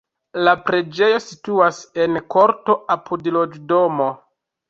La preĝejo situas en korto apud loĝdomo.